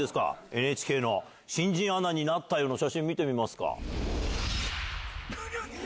ＮＨＫの新人アナになったよの写真見てみますか。